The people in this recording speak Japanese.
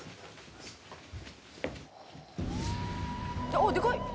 「あっでかい！」